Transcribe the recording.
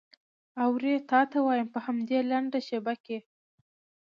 اورې تا ته وایم په همدې لنډه شېبه کې.